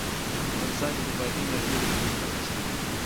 افغانستان کې د بادي انرژي د پرمختګ هڅې روانې دي.